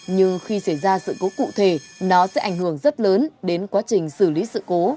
nhưng khi xảy ra sự cố cụ thể nó sẽ ảnh hưởng rất lớn đến quá trình xử lý sự cố